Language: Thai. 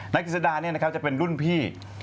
นายกิสดาเนี่ยนะครับจะเป็นรุ่นพี่